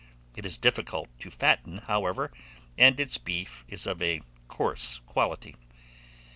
It is difficult to fatten, however, and its beef is of a coarse quality.